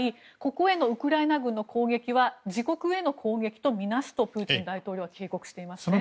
ここへのウクライナ軍の攻撃は自国への攻撃とみなすとプーチン大統領は警告していますね。